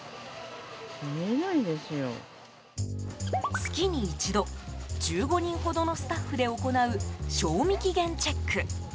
月に一度１５人ほどのスタッフで行う賞味期限チェック。